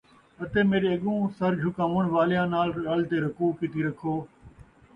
اَتے میݙے اَڳوں سَر جُھکاوݨ وَالیاں نال رَل تے رکوع کیتی رکھو ۔